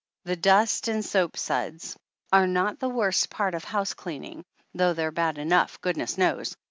The dust and soapsuds are not the worst part of house cleaning, though they are bad enough, goodness knows!